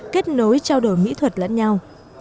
kết nối trao đổi mỹ thuật lẫn nhau